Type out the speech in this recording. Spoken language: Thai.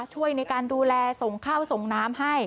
ช่วยในการดูแลส่งข้าวส่งน้ำให้